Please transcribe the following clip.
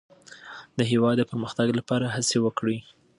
د هېواد د پرمختګ لپاره هڅې وکړئ.